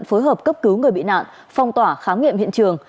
phối hợp cấp cứu người bị nạn phong tỏa khám nghiệm hiện trường